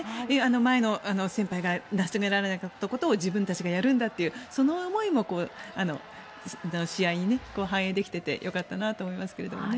前の先輩が成し遂げられなかったことを自分たちがやるんだというその思いも試合に反映できていてよかったなと思いますけどね。